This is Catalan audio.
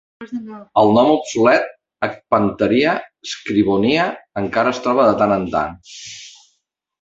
El nom obsolet "Ecpantheria scribonia" encara es troba de tant en tant.